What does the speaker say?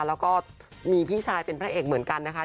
แล้วก็มีพี่ชายเป็นพระเอกเหมือนกันนะคะ